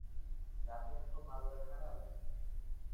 ¿Ya te has tomado el jarabe?